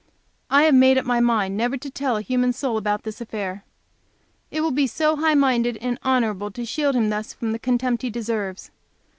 I have made up my mind never to tell a human soul about this affair. It will be so high minded and honorable to shield him thus from the contempt he deserves.